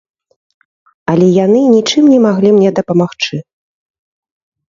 Але яны нічым не маглі мне дапамагчы.